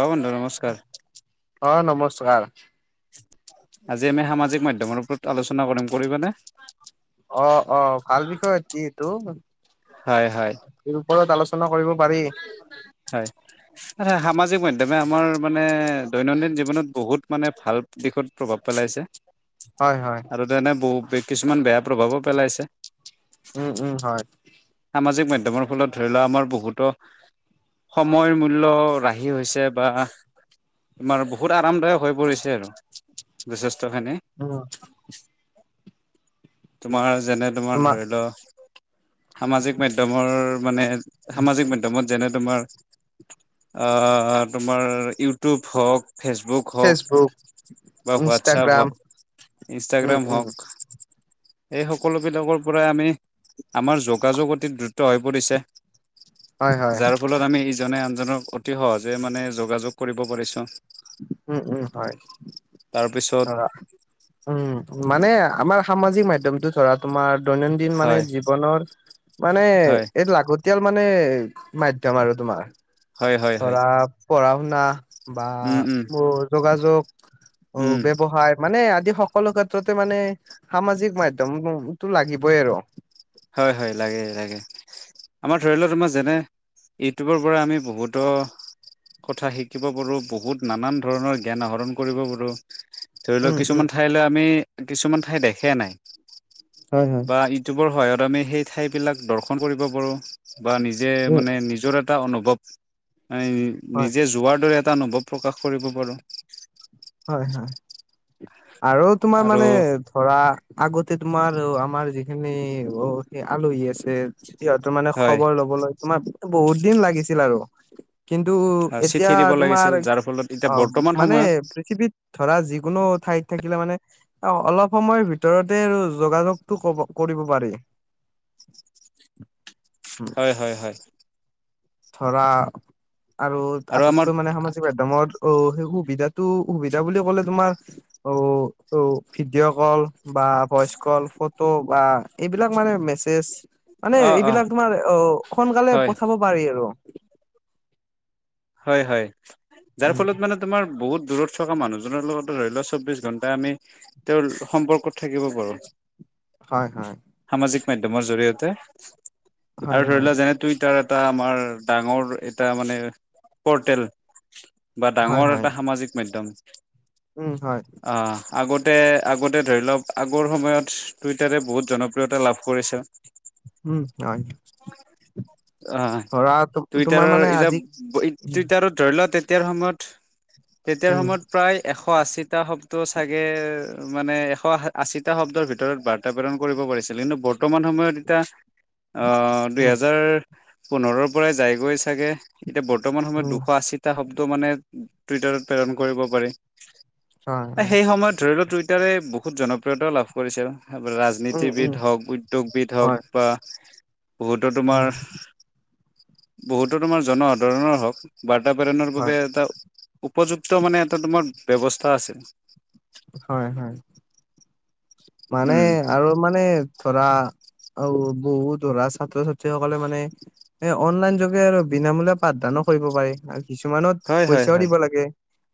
অ বন্ধু নমস্কাৰ। অ নমস্কাৰ। আজি আমি সামাজিক মাধ্যমৰ ওপৰত আলোচনা কৰিম কৰিবানে? অ অ ভাল বিষয় অতি এইটো। হয় হয় ওপৰত আলোচনা চনা কৰিব পাৰি। হয় সামাজিক মাধ্যমে আমাৰ মানে দৈনন্দিন জীৱনত বহুত মানে ভাল দিশত প্ৰভাৱ পে- পেলাইছে হয় হয় আৰু তেনে বহু কিছুমান বেয়া প্ৰভাৱো পেলাইছে। উম উম হয়। সামাজিক মাধ্যমৰ ফলত ধৰি লোৱা আমাৰ বহুতো সময় মূল্য ৰাহি হৈছে বা তোমাৰ বহুত আৰামদায়ক হৈ পৰিছে আৰু যথেষ্ট উম। তোমাৰ যেনে তোমাৰ ধৰি ল সামাজিক মাধ্যমৰ মানে সামাজিক মাধ্যমত যেনে তোমাৰ আহ তোমাৰ ইউটিউব হওক ফেচবুক হওক ফেচবুক বা হোৱাটছপ ইনষ্টাগ্ৰাম হওক, উম ইনষ্টাগ্ৰাম উম হওক। এই সকলোবিলাকৰ পৰাই আমি আমাৰ যোগাযোগ অতি দ্ৰুত হৈ পৰিছে। হয় হয় যাৰ ফলত আমি ইজনে আনজনক অতি সহজে মানে যোগাযোগ কৰিব পাৰিছোঁ। উম উম হয়। তাৰপিছত ধৰা উম মানে আমাৰ সামাজিক মাধ্যমটো ধৰা তোমাৰ। দৈনন্দিন মানে হয় জীৱনৰ মানে হয় এই লাগতিয়াল মানে মাধ্যম আৰু তোমাৰ হয় হয় হয় ধৰা পঢ়া শুনা বা উম উম উ যোগাযোগ অ উম ব্যৱসায় মানে আজ- সকলো ক্ষেত্ৰতে মানে সামাজিক মাধ্যমটো লাগিবই আৰু। হয় হয় লাগে লাগে। আমাৰ ধৰি লওক আমাৰ যেনে ইউটিউবৰ পৰা আমি বহুতো কথা শিকিব পাৰোঁ বহুত নানান ধৰণৰ জ্ঞান আহৰণ কৰিব পাৰোঁ। ধৰি লওক উম উম কিছুমান ঠাইলৈ আমি কিছুমান ঠাই দেখে নাই হয় হয়। বা ইটিউব। বোৰ সহায়ত আমি সেই ঠাই বিলাক দৰ্শন কৰিব পাৰো বা নিজে উম মানে নিজৰ- এটা অনুভৱ হয় নিজে যোৱাৰ দৰে এটা অনুভৱ প্ৰকাশ কৰিব পাৰোঁ। হয় হয় আৰু তোমাৰ আৰু মানে ধৰা আগতে তোমাৰ আম- তোমাৰ যিখিনি অ সেই আলহী আছে সিহঁতৰ মানে হয় খবৰ লবলৈ তোমাৰ বহুত দিন লাগিছিল আৰু। কিন্তু চিঠি এতিয়া দিব তোমাৰ লাগিছিল যাৰ ফলত এতিয়া অ বৰ্তমান মানে সময়ত বিধ ধৰা যিকোনো ঠাইত থাকিলে মানে অলপ সময়ৰ ভিতৰতে আৰু যোগাযোগতটো ক'ব কৰিব পাৰি। হয় হয় হয়। ধৰা আৰু আটাইতকৈ মানে সামাজিক মাধ্যমত অ সেই সুবিধাত টো সুবিধা বুলি ক'লে তোমাৰ অ অ ভিডিঅ' কল বা ভইচ কল। ফটো বা এইবিলাক মানে মেছেজ। মানে অ অ এইবিলাক তোমাৰ আহ সোনকালে হয় পঠাব পাৰি আৰু। হয় হয় যাৰ উম ফলত মানে তোমাৰ বহুত। দূৰত থকা মানুহজনৰ লগতে ধৰি লোৱা চৌব্বিছ ঘণ্টা আমি তেওঁৰ সম্পৰ্কত থাকিব পাৰোঁ। হয় হয়। সামাজিক মাধ্যমৰ জড়িয়তে আৰু হয় ধৰি হয় লোৱা যেনে তুইতাৰত এটা আমাৰ ডাঙৰ এটা মানে পৰ্টেল। বা হয় ডাঙৰ হয় এটা সামাজিক মাধ্যম। উম হয়। আহ আগতে আগতে ধৰি লওঁক আগৰ সময়ত টুইটাৰে বহুত জনপ্ৰিয়তা লাভ কৰিছে। উম হয়। অ ধৰা তো তোমাৰ মানে টুইটাৰৰ আজি ইজাপ। উম টুইটাৰত ধৰি ল তেতিয়াৰ সময়ত তেতিয়াৰ উম সময়ত প্ৰায় এশ এশ আশীটা শব্দ চাগে মানে এশ আশীটা শব্দৰ ভিতৰত বাৰ্তা প্ৰেৰণ কৰিব পাৰিছ- ছিলো নো বৰ্তমান সময়ত এতিয়া। অ উম দুহেজাৰ পোন্ধৰৰ পৰাই যাই গৈ চাগে। এতিয়া বৰ্তমান সময়ত উম দুশ আশীটা শব্দ মানে টুইটাৰত প্ৰেৰণ কৰিব পাৰি। হয় হয় সেই সময়ত ধৰি লওঁক টুইটাৰে বহুত জনপ্ৰিয়তাও লাভ কৰিছে। হে বৰ উম উম ৰাজনীতিবিদ হওঁক উদ্যোগবিদ হওঁক হয় বা বহুতো উম তোমাৰ বহুতো তোমাৰ জনসাধাৰণৰ হওঁক। বাৰ্ত প্ৰেৰণৰ হয় বাবে এটা উপযুক্ত মানে এটা তোমাৰ ব্যৱস্থা আছিল। হয় হয়। মানে উম আৰু মানে ধৰা আও বহুত ধৰা ছাত্ৰ -ছাত্ৰীসকলে মানে এ অনলাইন যোগে আৰু বিনামূলীয়া পাঠদা- দানো কৰিব পাৰি। কিছুমানত হয় হয় পইচাও হয় দিব লাগে,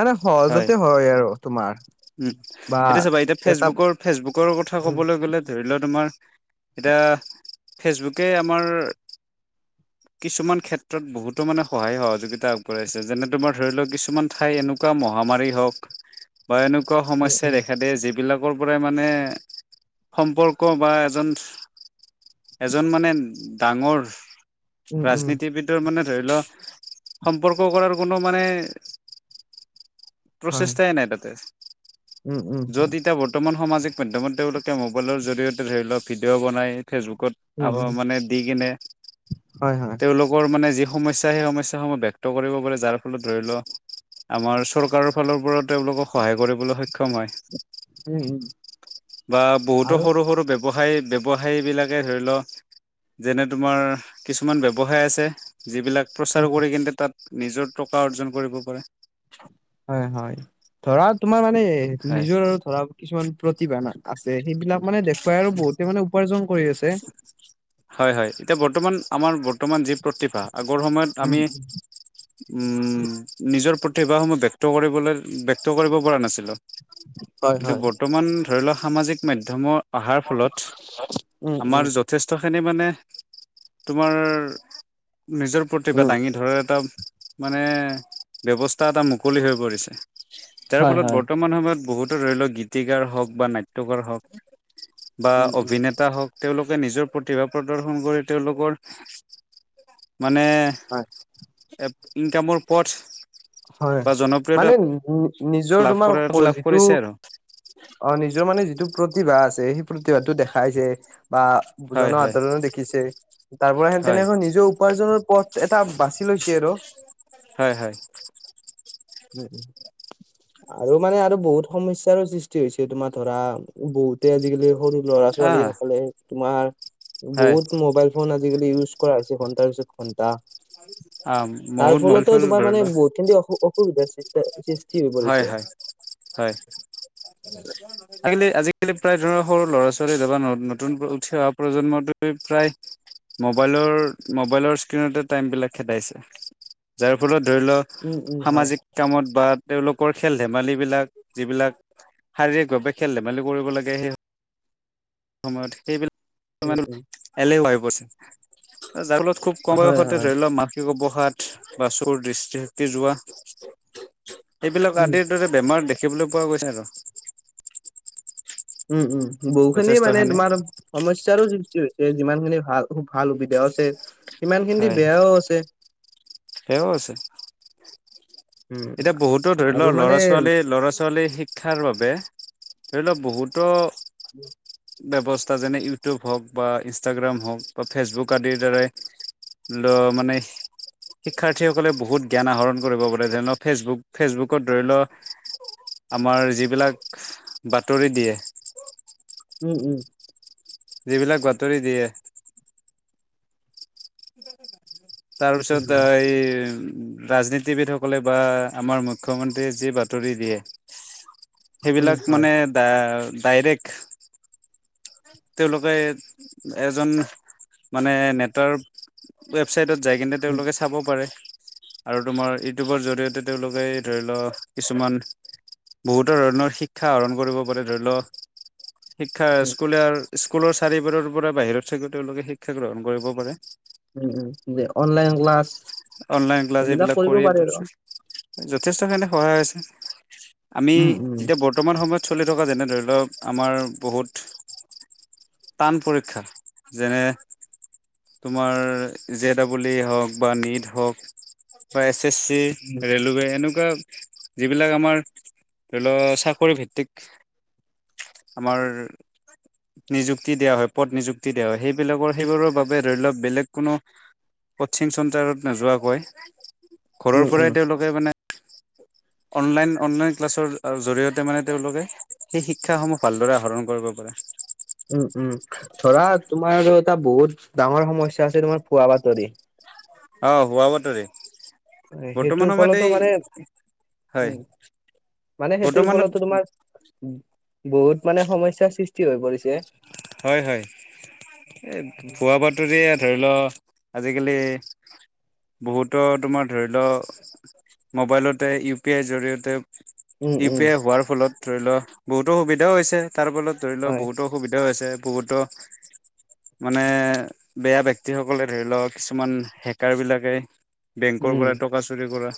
মানে সহজতে হয় আৰু তোমাৰ। উ বা এতিয়া চাবা এতিয়া এটা ফেচবুকৰ ফেচবুকৰ কথা উম ক'বলৈ গ'লে ধৰি লোৱা তোমাৰ। এতিয়া ফেচবুকে আমাৰ [inaudible] কিছুমান ক্ষেত্ৰত বহুতো মানে সহায় সহযোগিতা আগবঢ়াইছে যেনে তোমাৰ ধৰি লোৱা কিছুমান ঠাই এনেকুৱা মহ- মহামাৰী হওঁক বা এনেকুৱা সমস্যা উম দেখা দিয়ে যি- বিলাকৰ পৰা মানে সম্পৰ্ক বা এজন এজন মানে ডাঙৰ উম উম উম ৰাজনীতিবিদৰ মানে ধৰি লহ সম্পৰ্ক কৰাৰ কোনো মানে হয় প্ৰচেষ্ট নাই তাতে উম উম য'ত হয় এতিয়া বৰ্তমান সামাজিক মাধ্যমত তেওঁলোকে মোবাইলৰ জৰিয়তে ধৰি লওক ভিডিঅ' বনাই। ফেচবুকত উম আকৌ উম মানে দি কিনে হয় হয় তেওঁলোকৰ মানে যি- সমস্যা সেই সমস্যাসমূহ ব্যক্ত কৰিব পাৰে যাৰ ফলত ধৰি ল। আমাৰ চৰকাৰৰ ফালৰ পৰা তেওঁলোকক সহায় কৰিবলৈও সক্ষম হয়, উম উম বা বহুতো আৰু সৰু সৰু ব্যৱ- ব্যৱসায়ী ব্যৱসায়ীবিলাকে ধৰি ল। যেনে তোমাৰ কিছুমান ব্যৱসায় আছে। যিবিলাক উম প্ৰচাৰ কৰি কিন্তে তাত নিজৰ টকা অৰ্জন কৰিব পাৰে। হয় হয় ধৰা তোমাৰ মানে হয় নিজৰ ধৰা কিছুমান প্ৰতিভা না- আছে সেইবিলাক মানে দেখুৱাই আৰু বহুতে মানে উপাৰ্জন কৰি আছে হয় হয় এতিয়া বৰ্তমান আমাৰ বৰ্তমান যি প্ৰতিভা আগৰ সময়ত উম আমি উম উম নিজৰ প্ৰত- কেইবা সময় ব্যক্ত কৰিবলৈ ব্যক্ত কৰিব পৰা নাছিলো হয় কিন্তু হয় বৰ্তমান ধৰি লওক সামাজিক মাধ্যমৰ- অহাৰ [unintelligible] ফলত উম আমাৰ উম যথেষ্টখিনি মানে তোমাৰ নিজৰ উম প্ৰতিভা দাঙি ধৰা এটা মানে ব্যৱস্থা এটা মুকলি হৈ পৰিছে। যাৰ হয় ফলত হয়। বৰ্তমান সময়ত বহুতো ধৰি লওক গীতিকাৰ হওঁক বা নাট্যকাৰ হওক। বা উম উম অভিনেতা হওঁক তেওঁলোকে নিজৰ প্ৰতিভা প্ৰদৰ্শন কৰি তেওঁলোকৰ মানে হয় ইনকামৰ পথ হয় বা জনপ্ৰিয়তা মানে নিজৰ লাভ তোমাৰ কৰাৰ লাভ শৰীৰটো কৰিছে আৰু অ নিজৰ মানে যিটো প্ৰতিভা আছে সেই প্ৰতিভাতটো দেখাই যে। বা হয় হয় জনসাধাৰণে দেখিছে তাৰ পৰা সে হয় তেনে নিজৰ উপাৰ্জনৰ পথ এটা বাচি- ছে আৰু। হয় হয়। উম। আৰু মানে আৰু বহুত সমস্যাৰো সৃষ্টি হৈছে তোমাৰ ধৰা বহুতে আজিকালি সৰু ল'ৰা ছোৱালী আহ সকলে তোমাৰ হয় বহুত মোবাইল ফোন আজ- আজি কালি ইউজ কৰা হৈছে ঘন্টাৰ পিছত ঘন্টা। আহ তাৰ বহুত মল ফলতো চল তোমাৰ ধৰি মানে লোৱা বটিন বিলাক অসু অসুবিধা সৃ সৃষ্ট হয় হয় হয় আ আজিকালি প্ৰায় ধৰক সৰু ল'ৰা ছোৱালী তবা নতুন উঠি অহা প্ৰজন্মটোৱে প্ৰায় মবাইলৰ মোবাইলৰ স্ক্ৰীণত টাইম বিলাক খেদাইছে। যাৰ ফলত ধৰি লও উম উম হয় সামাজিক কামত বা তেওঁলোকৰ খেল ধেমালিবিলাক যিবিলাক শাৰীৰিক ভাৱে খেল ধেমালি কৰিব লাগে সেই সময়ত। সেইবিলাক উম উম মানুহবো এলেহুৱা হৈ পৰিছে, যাৰ ফলত খুব কম হয় বয়সতে হয় ধৰিল [unintelligible] সাত বা চুৰ দৃষ্টিশক্তি যোৱা, এইবিলাক উম আদিৰ দৰে বেমাৰ দেখ- দেখিবলৈ পোৱা গৈছে আৰ। বহু খিনি মানে তোমাৰ সমস্যাৰো ছে হৈছে যিমান খিনি ভাল ভাল সুবিধাও আছে সিমান খিনি বেয়াও আছে। তেওঁ আছে। উম এতিয়া বহুতো ধৰি আৰু লওক মানে ল'ৰা ছোৱালী ল'ৰা ছোৱালী শিক্ষাৰ বাবে ধৰি লক বহু ত [unintelligible] ব্যৱস্থা যেনে ইউটিউব হওক বা ইনষ্টাগ্ৰাম হওক বা ফেচবুক আদিৰ দ্বাৰাই ল মানে শিক্ষাৰ্থীসকলে বহুত জ্ঞান আহৰণ কৰিব বোলে যে ন। ফেচবুক ফেচবুকত ধৰি ল আমাৰ যিবিলাক বাতৰি দিয়ে। উম উম। যিবিলাক বাতৰি দিয়ে। তাৰপিছত তা উম এইৰ ৰাজনীতিবিদসকলে বা আমাৰ মুখ্যমন্ত্ৰীয়ে যি বাতৰি দিয়ে উম সেইবিলাক হয় মানে ডাই ডাইৰেক্ট তেওঁলোকে এজন মানে নেতাৰ ৱেবচাইটত যাই কিনে উম তেওঁলোকে চাব পাৰে। আৰু তোমাৰ ইউটিউবৰ জৰিয়তে তেওঁলোকে ধৰি ল, কিছুমান বহুত ধৰণৰ শিক্ষা আহৰণ কৰিব পাৰে ধৰি ল। শিক্ষা উম স্কুলৰ-স্কুলৰ চাৰিবেৰৰ পৰা বাহিৰত থাকিও তেওঁলোকে শিক্ষা গ্ৰহণ কৰিব পাৰে। উম উম যে অনলাইন ক্লাছ অনলাইন ক্লাছ এইবিলাক কৰিব কৰি পাৰে আৰু। যথেষ্টখিনি সহায় হৈছে, আমি উম উম এতিয়া বৰ্তমান সময়ত। চলি থকা যেনে ধৰি লওক আমাৰ বহুত। টান পৰীক্ষা যেনে তোমাৰ জে ডাবুলিয়ে হওঁক বা নিট হওঁক প্ৰায় এছ চি উম ৰেলৱে এনেক- [unintelligible] যিবিলাক আমাৰ ধৰি লওক চাকৰি ভিত্তিক। আমাৰ নিযুক্তি দিয়া হয় পদ নিযুক্তি দিয়া হয় সেইবিলাকৰ সেইবোৰৰ বাবে ধৰি লওক বেলেগ কোনো কচিং চেণ্টাৰত নোযোৱাকৈ ঘৰৰ উম পৰাই তেওঁলোকে মানে অনলাইন-অনলাইন ক্লাছৰ জৰিয়তে মানে তেওঁলোকে সেই শিক্ষাসমূহ ভালদৰে আহৰণ কৰিব পাৰে [unintelligible] উম উম ধৰা তোমাৰ আৰু এটা বহুত ডাঙৰ সমস্যা আছে তোমাৰ ভুৱা বাতৰি অ ভুৱা বাতৰি সেইটোৰ বৰ্তমান সময়ত ফলতো মানে এই উম হয়। মানে সেইটোৰ বৰ্তমানত ফলতো তোমাৰ বহুত মানে সমস্যাৰ সৃষ্টি হৈ পৰিছে হয়-হয় এ ভুৱা বাতৰিয়ে ধৰি ল আজিকালি বহুত তোমাৰ ধৰি ল মোবাইলতে ইউ পি আইৰ জৰিয়তে উম ইউ উম পি আই হোৱাৰ ফলত ধৰি ল বহু-ত সুবিধাও হৈছে তাৰ ফলত ধৰি ল হয় বহু-ত সুবিধা অসুবিধাও হৈছে বহু-ত মানে বেয়া ব্যক্তিসকলে ধৰি লক কিছুমান হেকাৰ বিলাকে বেংকৰ উম পৰা টকা চুৰি কৰা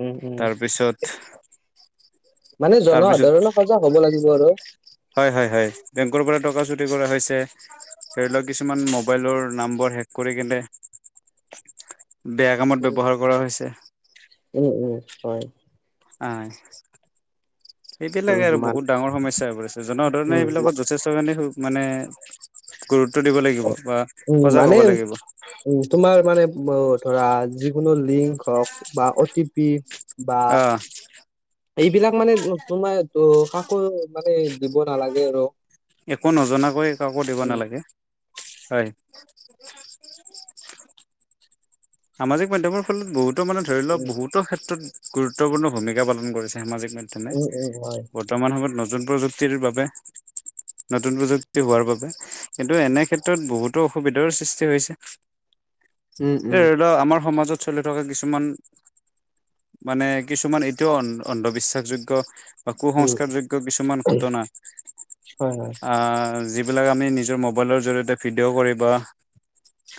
উম উম তাৰপিছত মানে জনসাধাৰণো সজাগ হ'ব লাগিব আৰু হয়-হয়-হয় বেংকৰ পৰা টকা চুৰি কৰা হৈছে ধৰি লক কিছুমান মোবাইলৰ নাম্বাৰ হেক কৰি কেনে [inaudible] বেয়া কামত ব্যৱহাৰ কৰা হৈছে উম উম হয় আইছ উম এইবিলাকে আৰু মান বহুত ডাঙৰ সমস্যা হৈ পৰিছে উম জনসাধাৰণে মা এইবিলাকত যথেষ্টখিনি সু মানে গুৰুত্ব দিব লাগিব বা উম সজাগ হ'ব লাগিব ব ধৰা যিকোনো লিংক হক বা অ' টি পি বা আহ এইবিলাক মানে তোমাৰ [unintelligible] মানে দিব নালাগে আৰু একো নজনাকৈ কাকো দিব উম নালাগে। হয়। সামাজিক মাধ্যমৰ ফলত বহুতো মানে ধৰি লক উম বহুতো ক্ষেত্ৰত গুৰুত্বপূৰ্ণ ভূমিকা পালন কৰিছে সামাজিক মাধ্যমে উম উম হয় বৰ্তমান সময়ত নতুন প্ৰযুক্তিৰ বাবে নতুন প্ৰযুক্তি হোৱাৰ বাবে কিন্তু এনে ক্ষেত্ৰত বহুতো অসুবিধাৰো সৃষ্টি হৈছে [inaudible] এই ধৰি ল আমাৰ সমাজত চলি থকা কিছুমান মানে কিছুমান এতিয়াও অন অন্ধবিশ্বাসযোগ্য বা উম কুসংস্কাৰযোগ্য কিছুমান ঘটনা হয় হয় আহ যিব যিবিলাক আমি নিজৰ মোবাইলৰ জৰিয়তে ভিডিঅ' কৰি বা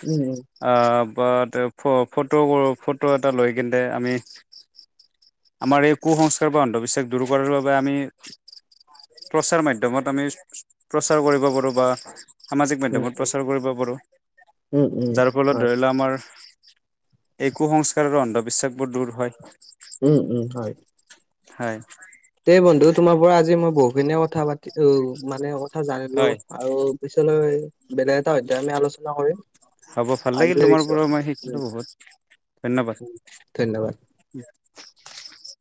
উম উম আহ বা তেও ফ ফটো কৰৌ-ফটো এটা লৈ কিনে আমি আমাৰ এই কুসংস্কাৰ বা অন্ধবিশ্বাস দূৰ কৰাৰ বাবে আমি প্ৰচাৰ মাধ্যমত আমি প্ৰচাৰ কৰিব পাৰো বা সামাজিক উম মাধ্যমত প্ৰচাৰ কৰিব পাৰো উম উম উম যাৰ ফলত ধ হয় আমাৰ এ কু-সংস্কাৰ আৰু অন্ধবিশ্বাসবোৰ দূৰ হয় উম দে বন্ধু তোমাৰ পৰা আজি মই বহুত খিনিয়ে কথা পাতি ঔ মানে অ কথা জানিলো হয় আৰু পিছলৈ বেলেগ এটা অধ্যায় আমি আলোচনা কৰিম হ'ব ভাল লাগিল আজিলৈ তোমাৰ এৰিছো পৰা মই শিকিলো বহুত ধন্যবাদ উম ধন্যবাদ। [unintelligible]